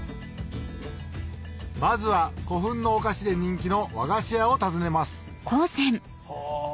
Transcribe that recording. まずは古墳のお菓子で人気の和菓子屋を訪ねますあっはあ。